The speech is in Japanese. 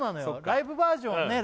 ライブバージョンね